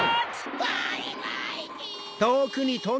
バイバイキン！